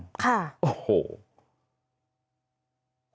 อ่าก่อนเกิดเหตุคาดว่าจะมีอาการหล่อนค่ะโอ้โห